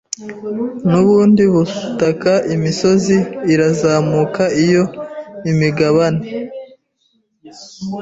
nubundi butaka Imisozi irazamuka iyo imigabane